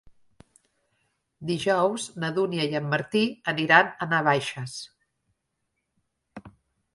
Dijous na Dúnia i en Martí aniran a Navaixes.